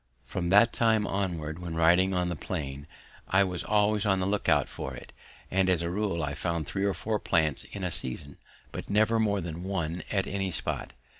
From that time onwards, when riding on the plain, I was always on the look out for it, and as a rule I found three or four plants in a season, but never more than one at any spot.